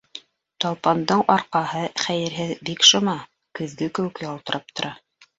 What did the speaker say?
Талпандың арҡаһы, хәйерһеҙ, бик шыма, көҙгө кеүек ялтырап тора.